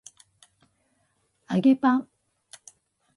揚げパン